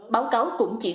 báo cáo cũng chỉ